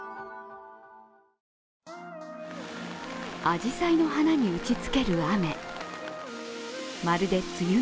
あじさいの花に打ちつける雨。